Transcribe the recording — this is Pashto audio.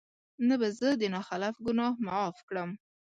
نه به زه د نا خلف ګناه معاف کړم